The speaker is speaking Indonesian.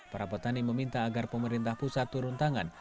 para petani meminta agar pemerintah pusat turun tangan